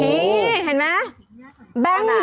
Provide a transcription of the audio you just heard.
ใช่เอาในรถแล้วก็ถ่าย